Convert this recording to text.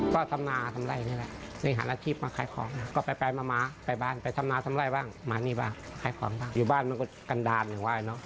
ก็สำบักเหมือนกันนะสู้ชีวิต